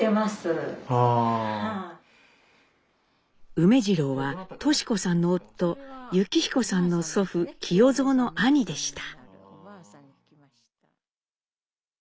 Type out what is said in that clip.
梅次郎はトシ子さんの夫侑彦さんの祖父喜代蔵の兄でした。